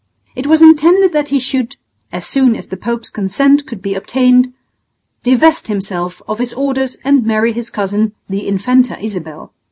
It was intended that he should, as soon as the Pope's consent could be obtained, divest himself of his orders and marry his cousin the Infanta Isabel.